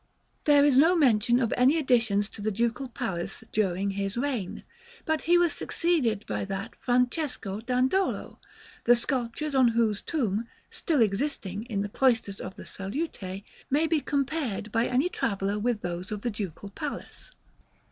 There is no mention of any additions to the Ducal Palace during his reign, but he was succeeded by that Francesco Dandolo, the sculptures on whose tomb, still existing in the cloisters of the Salute, may be compared by any traveller with those of the Ducal Palace.